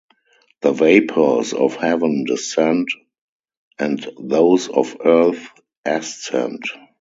The vapors of heaven descend and those of earth ascend.